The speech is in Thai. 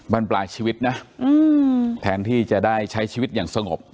บ้านปลายชีวิตนะแทนที่จะได้ใช้ชีวิตอย่างสงบ